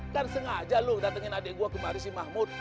kan sengaja lu datengin adik gua kemari si mahmud